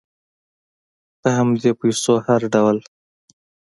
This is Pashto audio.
په همدې پیسو هر ډول